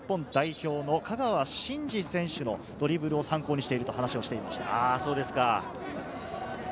鈴木は元日本代表の香川真司選手のドリブルを参考にしていると話していました。